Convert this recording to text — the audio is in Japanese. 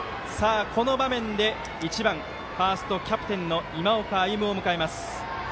この場面で１番ファーストキャプテンの今岡歩夢を迎えます。